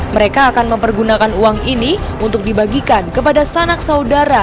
mereka akan mempergunakan uang ini untuk dibagikan kepada sanak saudara